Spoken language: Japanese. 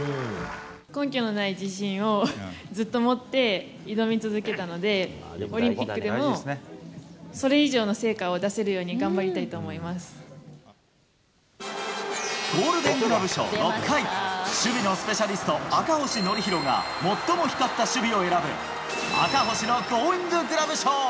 根拠のない自信をずっと持って挑み続けたので、オリンピックでもそれ以上の成果を出せるようゴールデングラブ賞６回、守備のスペシャリスト、赤星憲広が最も光った守備を選ぶ、赤星のゴーインググラブ賞。